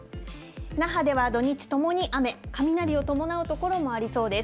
那覇では土日ともに雨、雷を伴う所もありそうです。